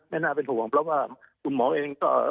น่าเป็นห่วงเพราะว่าคุณหมอเองก็